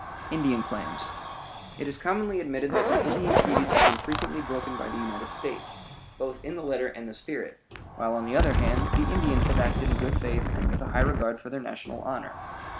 INDIAN CLAIMS It is commonly admitted that the Indian treaties have been frequently broken by the United States, both in the letter and the spirit, while, on the other hand, the Indians have acted in good faith and with a high regard for their national honor.